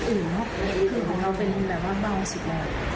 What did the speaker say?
คือของเราเป็นแบบว่าเบาสุดเลย